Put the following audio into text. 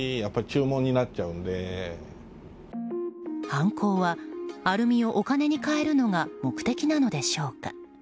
犯行はアルミをお金に替えるのが目的なのでしょうか。